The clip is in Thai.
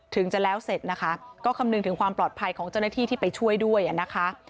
ถึงจะแล้วเสร็จนะคะก็คำนึงถึงความปลอดภัยของเจ้าหน้าที่ที่ไปช่วยด้วยนะคะ